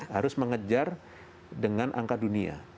harus mengejar dengan angka dunia